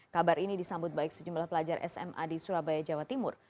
kabar ini disambut baik sejumlah pelajar sma di surabaya jawa timur